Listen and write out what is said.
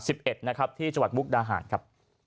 นะครับที่จังหวัดมุกดาหารครับ